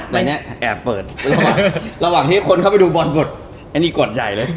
หลังจากนี้แอบเปิด